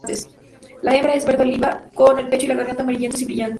La hembra es verde oliva, con el pecho y la garganta amarillentos y brillantes.